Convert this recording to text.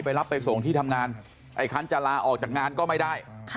รับไปส่งที่ทำงานไอ้คันจะลาออกจากงานก็ไม่ได้